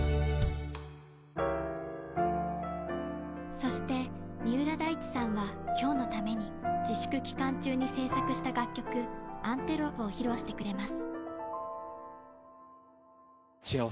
そして三浦大知さんは今日のために自粛期間中に制作した楽曲「Ａｎｔｅｌｏｐｅ」を披露してくれます